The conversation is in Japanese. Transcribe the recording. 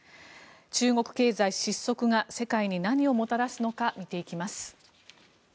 中国経済失速が世界に何をもたらすのか見ていきます。